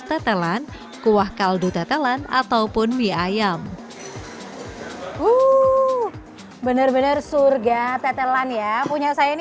tetelan kuah kaldu tetelan ataupun mie ayam uh benar benar surga tetelan ya punya saya ini